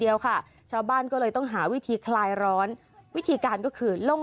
เดียวค่ะชาวบ้านก็เลยต้องหาวิธีคลายร้อนวิธีการก็คือลง